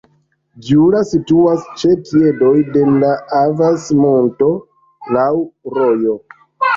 Djula situas ĉe piedoj de la Avas-monto, laŭ rojo.